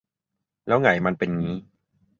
แล้วไหงมันเป็นงี้